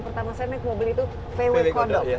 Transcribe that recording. pertama saya mau beli itu vw kodok